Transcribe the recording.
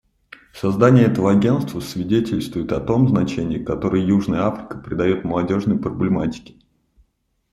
Создание этого Агентства свидетельствует о том значении, которое Южная Африка придает молодежной проблематике.